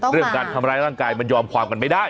เรื่องการทำร้ายร่างกายมันยอมความกันไม่ได้